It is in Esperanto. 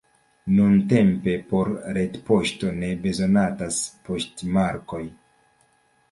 Nuntempe por retpoŝto ne bezonatas poŝtmarkoj.